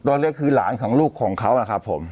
ตอนนี้คือหลานของลูกของเขานะครับผม